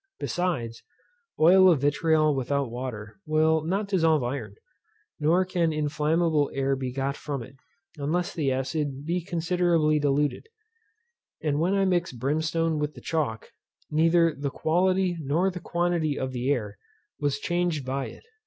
Besides, oil of vitriol without water, will not dissolve iron; nor can inflammable air be got from it, unless the acid be considerably diluted; and when I mixed brimstone with the chalk, neither the quality nor the quantity of the air was changed by it.